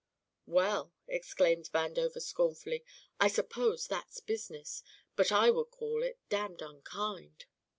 "Well," exclaimed Vandover scornfully, "I suppose that's business, but I would call it damned unkind!"